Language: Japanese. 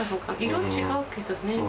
色違うけどね。